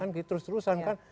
kan terus terusan kan